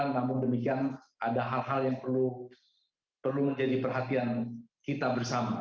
namun demikian ada hal hal yang perlu menjadi perhatian kita bersama